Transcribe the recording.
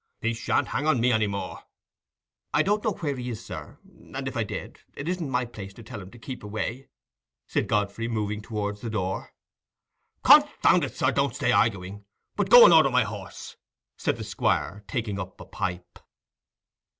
He shan't hang on me any more." "I don't know where he is, sir; and if I did, it isn't my place to tell him to keep away," said Godfrey, moving towards the door. "Confound it, sir, don't stay arguing, but go and order my horse," said the Squire, taking up a pipe.